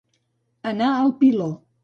Anar al piló.